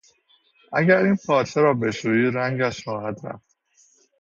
اگر این پارچه را بشویی رنگش خواهد رفت.